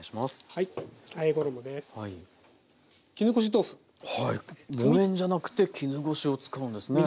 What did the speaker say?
木綿じゃなくて絹ごしを使うんですね。